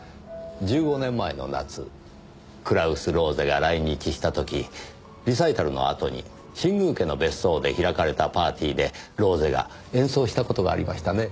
１５年前の夏クラウス・ローゼが来日した時リサイタルのあとに新宮家の別荘で開かれたパーティーでローゼが演奏した事がありましたね？